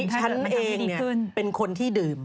ฉันเองเนี่ยเป็นคนที่ดื่ม